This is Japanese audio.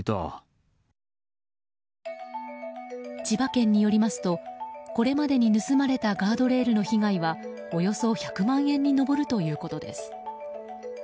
千葉県によりますとこれまでに盗まれたガードレールの被害はおよそ１００万円に上るということです。